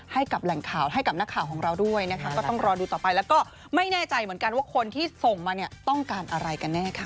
ให้กับแหล่งข่าวให้กับนักข่าวของเราด้วยนะคะก็ต้องรอดูต่อไปแล้วก็ไม่แน่ใจเหมือนกันว่าคนที่ส่งมาเนี่ยต้องการอะไรกันแน่ค่ะ